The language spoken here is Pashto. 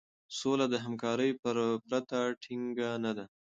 سوله د همکارۍ پرته ټينګه نه ده.